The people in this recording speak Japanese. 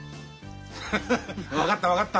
フフフ分かった分かった。